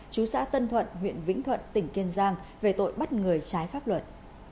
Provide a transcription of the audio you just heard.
chú xã tân thuận huyện vĩnh thuận tỉnh kiên giang về tội bắt người trái pháp luật